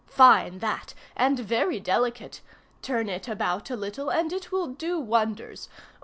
Fine that, and very delicate! Turn it about a little, and it will do wonders.